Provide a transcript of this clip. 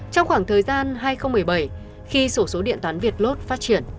trong khoảng thời gian hai nghìn một mươi bảy khi sổ số điện toán việt lốt phát triển